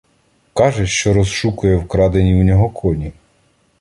Каже, що розшукує вкрадені в нього коні.